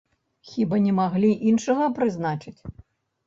Хіба не маглі іншага прызначыць?